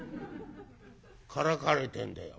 「からかわれてんだよ。